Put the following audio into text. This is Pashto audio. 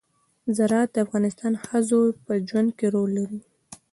زراعت د افغان ښځو په ژوند کې رول لري.